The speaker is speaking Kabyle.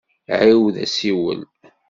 Ɛiwed asiwel.